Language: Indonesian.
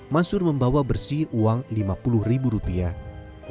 mansur membawa bersih uang lima puluh ribu rupiah